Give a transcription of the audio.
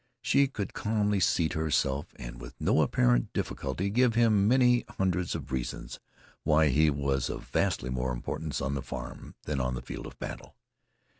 She could calmly seat herself and with no apparent difficulty give him many hundreds of reasons why he was of vastly more importance on the farm than on the field of battle.